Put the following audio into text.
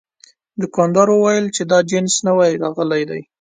دوکاندار وویل چې دا جنس نوي راغلي دي.